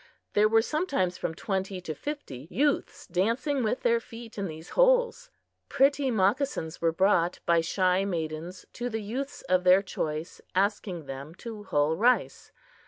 There were sometimes from twenty to fifty youths dancing with their feet in these holes. Pretty moccasins were brought by shy maidens to the youths of their choice, asking them to hull rice.